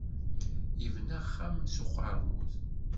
Yebna axxam s uqeṛmud.